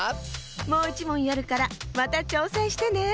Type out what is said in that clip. もういちもんやるからまたちょうせんしてね。